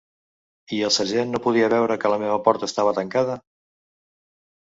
I el sergent no podia veure que la meva porta estava tancada?